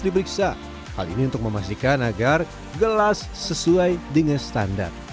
diperiksa hal ini untuk memastikan agar gelas sesuai dengan standar